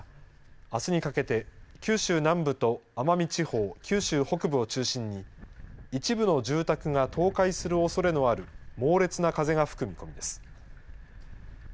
また、あすにかけて九州南部と奄美地方九州北部を中心に一部の住宅が倒壊するおそれのある猛烈な風が吹く見込みです。